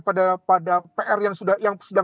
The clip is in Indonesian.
kepada pr yang sudah